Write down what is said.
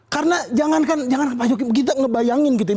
karena jangan kan pak jokowi kita ngebayangin gitu ya